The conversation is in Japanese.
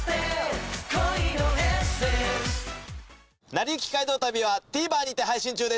『なりゆき街道旅』はＴＶｅｒにて配信中です。